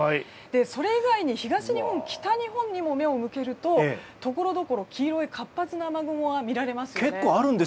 それ以外に東日本、北日本にも目を向けるとところどころ黄色い活発な雨雲が見られますよね。